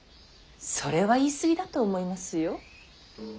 それは言い過ぎだと思いますよ。